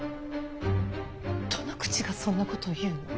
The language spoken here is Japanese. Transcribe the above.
どの口がそんなことを言うの。